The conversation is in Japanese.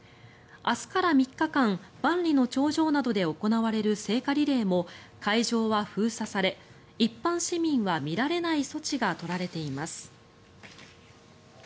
明日から３日間万里の長城などで行われる聖火リレーも会場は封鎖され一般市民は見られない措置が取られています。